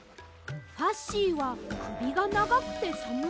ファッシーはくびがながくてさむそうです。